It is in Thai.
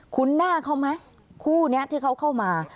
หน้าเขาไหมคู่นี้ที่เขาเข้ามา